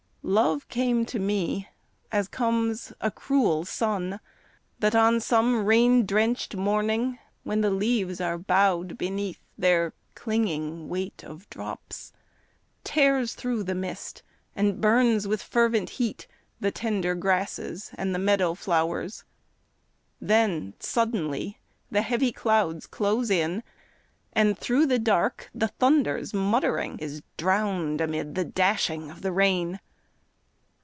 Love came to me as comes a cruel sun, That on some rain drenched morning, when the leaves Are bowed beneath their clinging weight of drops, Tears through the mist, and burns with fervent heat The tender grasses and the meadow flowers; Then suddenly the heavy clouds close in And through the dark the thunder's muttering Is drowned amid the dashing of the rain.